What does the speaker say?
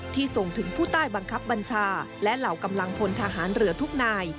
ส่งถึงผู้ใต้บังคับบัญชาและเหล่ากำลังพลทหารเรือทุกนาย